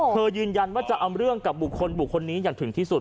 ยืนยันว่าจะเอาเรื่องกับบุคคลบุคคลนี้อย่างถึงที่สุด